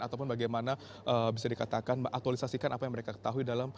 ataupun bagaimana bisa dikatakan aktualisasikan apa yang mereka ketahui dalam